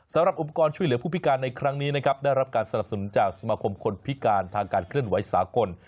สำหรับอุปกรณ์ช่วยเหลือผู้พิการในครั้งนี้นะครับได้รับการสนับสนุนจากสมาคมคนพิการทางการเคลื่อนไหวสากล